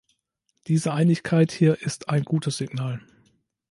Diese Einigkeit hier ist ein gutes Signal.